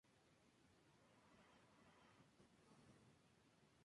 El primer sencillo del lanzamiento es "Night Is Young", previamente titulado "Free".